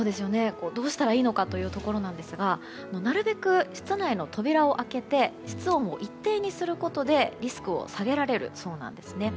どうしたらいいのかというところなんですがなるべく室内の扉を開けて室温を一定にすることでリスクを下げられるそうなんですね。